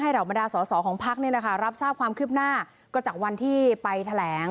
ให้เราบรรดาสอของพักนี่นะคะรับทราบความคืบหน้าก็จากวันที่ไปแถ